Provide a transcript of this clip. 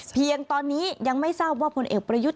เพียงตอนนี้ยังไม่ทราบว่าผลเอกประยุทธ์